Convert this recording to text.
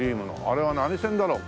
あれは何線だろう？